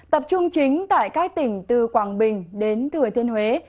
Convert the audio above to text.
tập trung chính tại các tỉnh từ quảng bình đến thừa thiên huế